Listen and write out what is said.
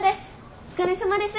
お疲れさまです。